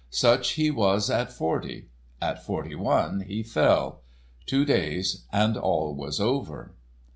Such he was at forty. At forty one he fell. Two days and all was over.